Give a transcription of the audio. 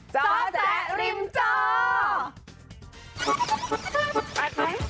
เจ้าแจ๊กริมเจ้า